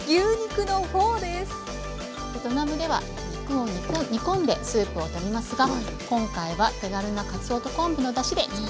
ベトナムでは肉を煮込んでスープを取りますが今回は手軽なかつおと昆布のだしで作ります。